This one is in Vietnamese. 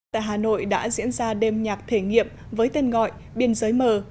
tại hà nội đã diễn ra đêm nhạc thể nghiệm với tên gọi biên giới mờ